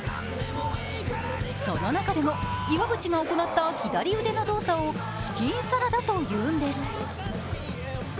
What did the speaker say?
その中でも岩渕が行った左腕の動作をチキンサラダと言うんです。